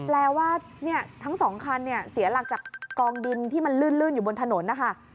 แปลว่าทั้งสองคันเสียหลักจากกองดินที่มันลื่นอยู่บนถนนนะคะ